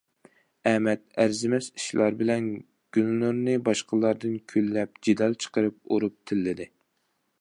ئەمەت ئەرزىمەس ئىشلار بىلەن گۈلنۇرنى باشقىلاردىن كۈنلەپ جېدەل چىقىرىپ، ئۇرۇپ، تىللىدى.